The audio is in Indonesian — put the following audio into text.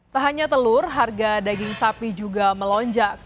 tak hanya telur harga daging sapi juga melonjak